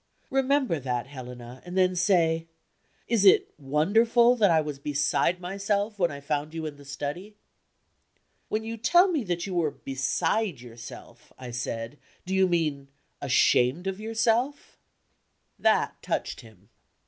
Remember that, Helena, and then say is it wonderful if I was beside myself, when I found You in the study?" "When you tell me you were beside yourself," I said, "do you mean, ashamed of yourself?" That touched him.